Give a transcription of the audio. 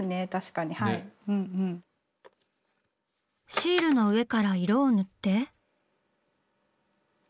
シールの上から色を塗って。